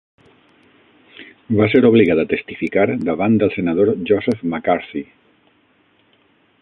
Va ser obligat a testificar davant del senador Joseph McCarthy.